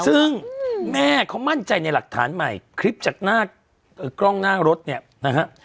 ซึ่งแม่เขามั่นใจในหลักฐานใหม่คลิปจากหน้ากล้องหน้ารถเนี่ยนะฮะ